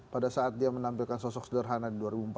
pada saat dia menampilkan sosok sederhana di dua ribu empat belas